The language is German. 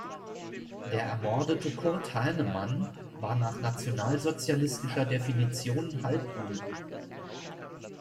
Der ermordete Kurt Heinemann war nach nationalsozialistischer Definition Halbjude.